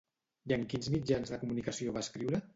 I en quins mitjans de comunicació va escriure?